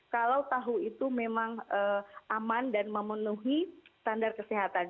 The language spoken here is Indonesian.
kalau tahu itu memang aman dan memenuhi standar kesehatan